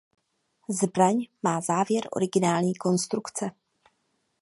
Zbraň má závěr originální konstrukce.